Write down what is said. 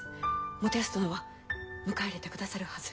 元康殿は迎え入れてくださるはず。